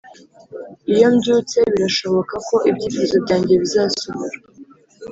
iyo mbyutse, birashoboka ko ibyifuzo byanjye bizasohora.